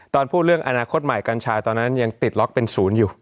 ตอนพูดเรื่องอนาคตใหม่กัญชาตอนนั้นยังติดล็อกเป็นศูนย์อยู่